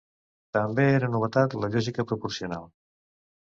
També era novetat la lògica proporcional.